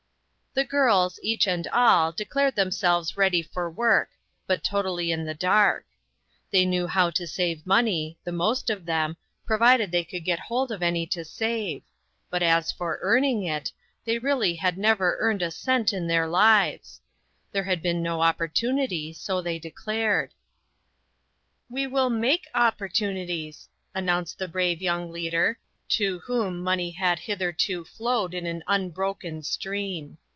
The girls, each and all, declared them selves ready for work, but totally in the dark. They knew how to save money, the most of them, provided they could get hold I IO INTERRUPTED. of any to save; but as for earning it, they really had never earned a cent in their lives. There had been no opportunity, so they declared. "We will make opportunities," announced the brave young leader, to whom money had hitherto flowed in an unbroken stream.